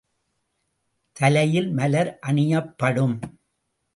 தலையில் மலர் அணியப்படும்.